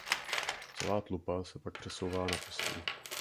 Celá tlupa se pak přesouvá na pastvu.